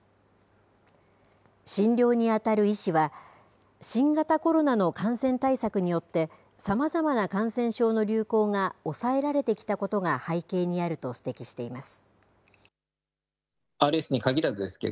診療に当たる医師は、新型コロナの感染対策によってさまざまな感染症の流行が抑えられてきたことが背景にあると指摘しています。